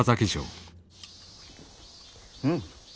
うん。